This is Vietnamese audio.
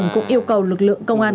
công an đã triển khai